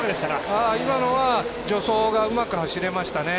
今のは助走がうまく走れましたね。